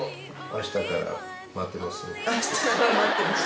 あしたから待ってます。